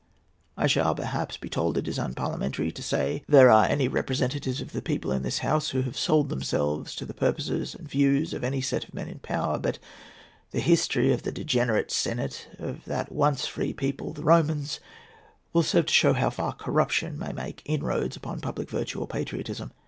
I shall perhaps be told that it is unparliamentary to say there are any representatives of the people in this House who have sold themselves to the purposes and views of any set of men in power; but the history of the degenerate senate of that once free people, the Romans, will serve to show how far corruption may make inroads upon public virtue or patriotism.